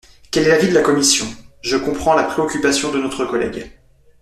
Quel est l’avis de la commission ? Je comprends la préoccupation de notre collègue.